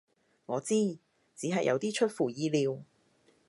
我知，只係有啲出乎意料